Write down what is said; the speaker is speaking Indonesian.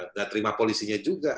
nggak terima polisinya juga